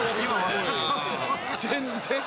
全然。